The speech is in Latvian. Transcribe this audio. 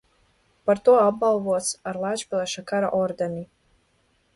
Par to apbalvots ar Lāčplēša Kara ordeni.